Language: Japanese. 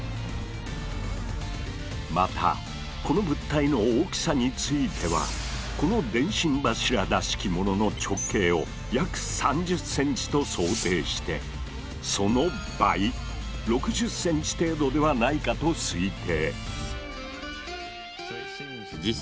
またこの物体の大きさについてはこの電信柱らしきものの直径を約３０ｃｍと想定してその倍６０ｃｍ程度ではないかと推定。